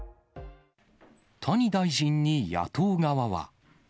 谷大臣に野党側は。